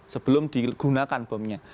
sebelum digunakan bomnya